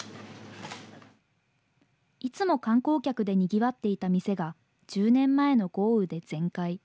いつも観光客でにぎわっていた店が、１０年前の豪雨で全壊。